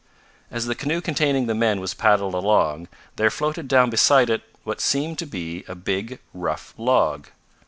As the canoe containing the men was paddled along, there floated down beside it what seemed to be a big, rough log.